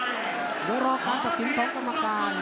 ด้วยรอคำสัตว์สินของกรรมการ